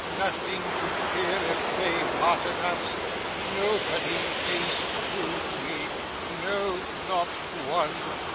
Nothing to fear if they parted us! Nobody is true to me. No, not one.